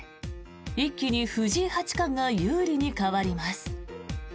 一気に藤井八冠が有利に変わります。